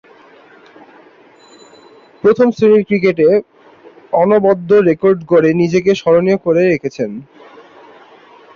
প্রথম-শ্রেণীর ক্রিকেটে অনবদ্য রেকর্ড গড়ে নিজেকে স্মরণীয় করে রেখেছেন।